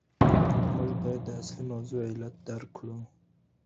موږ باید د اصلي موضوع علت درک کړو.